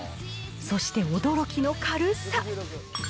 そして驚きの軽さ。